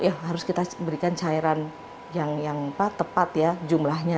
ya harus kita berikan cairan yang tepat ya jumlahnya